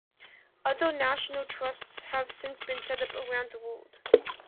Other national trusts have since been set up around the world.